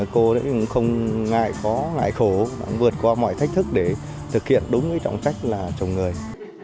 cô cũng không ngại khó ngại khổ vượt qua mọi thách thức để thực hiện đúng cái trọng trách là chồng người